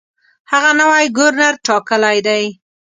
هغه نوی ګورنر ټاکلی دی.